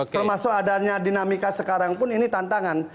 termasuk adanya dinamika sekarang pun ini tantangan